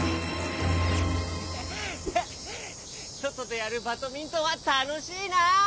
そとでやるバドミントンはたのしいな。